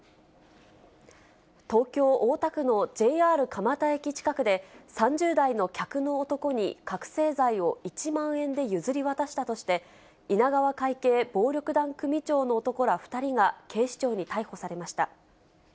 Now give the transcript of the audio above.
東京・大田区のＪＲ蒲田駅近くで、３０代の客の男に覚醒剤を１万円で譲り渡したとして、稲川会系暴力団組長の男ら２人が警視庁に逮捕されました。